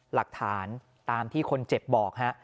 หลักฐานตามที่คนเจ็บบอกฮะ